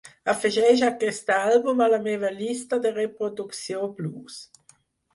afegeix aquest àlbum a la meva llista de reproducció Blues